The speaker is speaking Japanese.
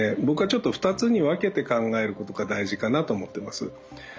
僕はちょっと２つに分けて考えることが大事かなと思ってます。